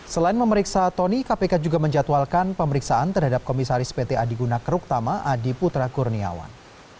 selain memeriksa tony kpk juga menjatuhalkan pemeriksaan terhadap komisaris pt adi guna keruktama adi putra kurniawan